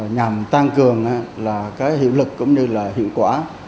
nhằm tăng cường hiệu lực cũng như hiệu quả